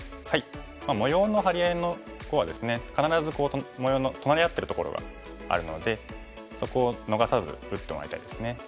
模様の張り合いの碁はですね必ず模様の隣り合ってるところがあるのでそこを逃さず打ってもらいたいですね。